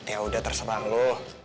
yaudah terserah lo